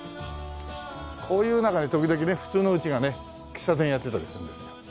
こういう中に時々ね普通の家がね喫茶店やってたりするんですよ。